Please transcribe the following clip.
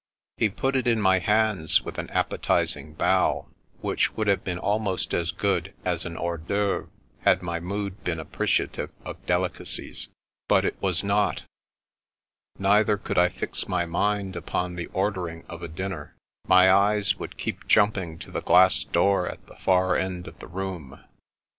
He put it in my hand with an appetizing bow, which would have been almost as good as an hars d'omvre had my mood been appreciative of del icacies. But it was not; neither could I fix my mind upon the ordering of a dinner. My eyes would keep jumping to the glass door at the far end of the room.